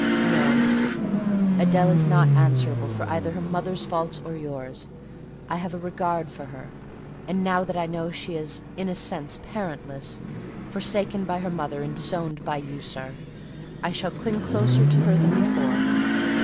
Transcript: "No: Adèle is not answerable for either her mother's faults or yours: I have a regard for her; and now that I know she is, in a sense, parentless—forsaken by her mother and disowned by you, sir—I shall cling closer to her than before.